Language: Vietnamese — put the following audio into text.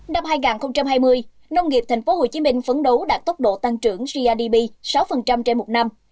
năm hai nghìn hai mươi nông nghiệp tp hcm phấn đấu đạt tốc độ tăng trưởng grdp sáu trên một năm